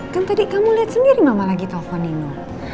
kan tadi kamu liat sendiri mama lagi telfon nino